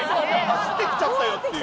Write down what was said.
走ってきちゃったよっていう。